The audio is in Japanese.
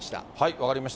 分かりました。